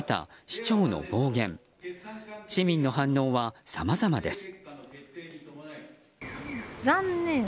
市民の反応はさまざまです。